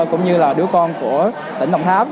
cũng như là đứa con của tỉnh đồng tháp